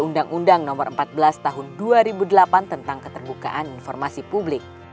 undang undang no empat belas tahun dua ribu delapan tentang keterbukaan informasi publik